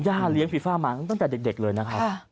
เลี้ยงฟีฟ่ามาตั้งแต่เด็กเลยนะครับ